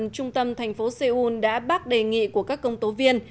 hàn quốc tòa án gần trung tâm thành phố seoul đã bác đề nghị của các công tố viên